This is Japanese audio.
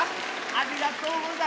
ありがとうございます。